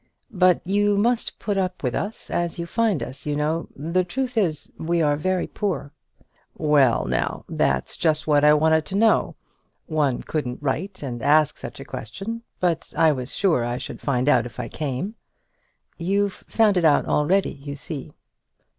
"But you must put up with us as you find us, you know. The truth is we are very poor." "Well, now; that's just what I wanted to know. One couldn't write and ask such a question; but I was sure I should find out if I came." "You've found it out already, you see."